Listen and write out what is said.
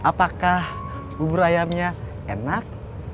apakah bubur ayamnya enak